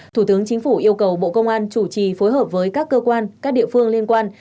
thủ tướng chính phủ yêu cầu bộ công an chủ trì phối hợp với các cơ quan các địa phương liên quan